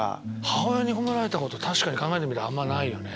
母親に褒められたこと考えてみたらあんまないよね。